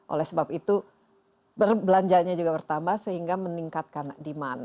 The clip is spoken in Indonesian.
oleh sebab itu belanjanya juga bertambah sehingga meningkatkan demand